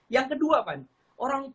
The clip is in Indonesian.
yang kedua pak